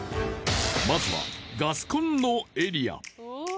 まずはガスコンロエリア。